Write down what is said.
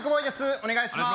お願いします